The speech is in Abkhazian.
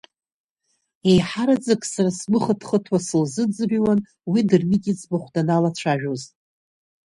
Еиҳараӡак сара сгәы хыҭхыҭуа сылзыӡырҩуан уи Дырмит иӡбахә даналацәажәоз.